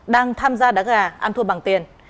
đang tham gia đá gà ăn thua bằng tiền